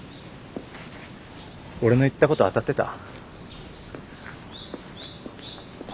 俺の言ったこと当たってた？